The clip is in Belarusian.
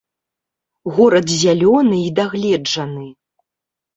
Горад зялёны і дагледжаны.